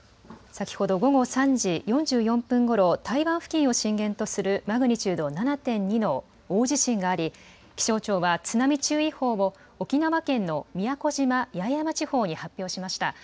先ほど午後３時４４分ごろ、台湾付近を震源とするマグニチュード７．２の大地震があり気象庁は津波注意報を沖縄県の宮古島・八重山地方に発表しました。